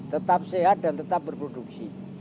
tetap sehat dan tetap berproduksi